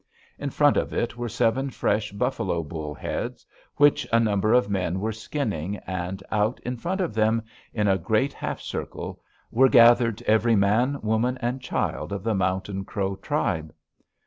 In front of it were seven fresh buffalo bull heads which a number of men were skinning, and out in front of them, in a great half circle, were gathered every man, woman, and child of the Mountain Crow tribe.